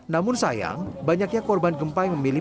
namun sayang banyaknya korban gempa yang memilih